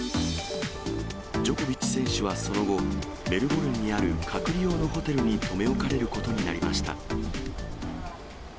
ジョコビッチ選手はその後、メルボルンにある隔離用のホテルに留め置かれることになりました。